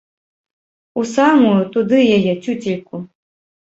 У самую, туды яе, цюцельку!